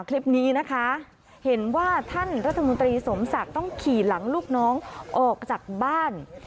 คลิปนี้นะคะเห็นว่าท่านรัฐมนตรีสมศักดิ์ต้องขี่หลังลูกน้องออกจากบ้าน